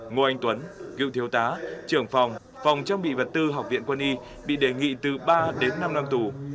ngô anh tuấn cựu thiếu tá trưởng phòng phòng trang bị vật tư học viện quân y bị đề nghị từ ba đến năm năm tù